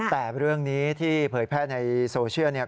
แต่เรื่องนี้ที่เผยแพร่ในโซเชียลเนี่ย